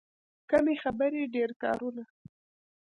کم خبرې، ډېر کارونه.